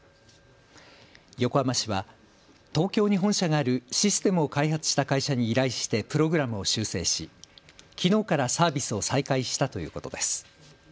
横浜市は東京に本社があるシステムを開発した会社に依頼してプログラムを修正しきのうからサービスを再開したということです。